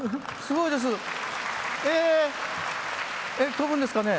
飛ぶんですかね。